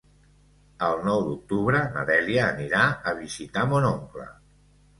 El nou d'octubre na Dèlia anirà a visitar mon oncle.